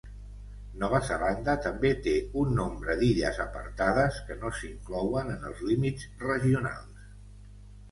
Nova Zelanda també té un nombre d'illes apartades que no s'inclouen en els límits regionals.